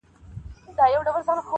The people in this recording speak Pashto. • یو سړی سهار له کوره وو وتلی -